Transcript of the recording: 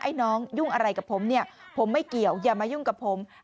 น้องยุ่งอะไรกับผมเนี่ยผมไม่เกี่ยวอย่ามายุ่งกับผม